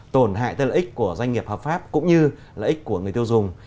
tổn hại tới lợi ích của doanh nghiệp hợp pháp cũng như lợi ích của người tiêu dùng